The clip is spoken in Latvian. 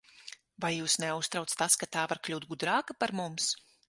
Vai jūs neuztrauc tas, ka tā var kļūt gudrāka par mums?